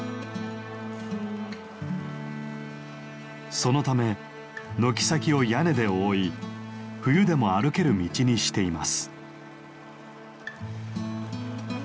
そのため軒先を屋根で覆い冬でも歩ける道にしています。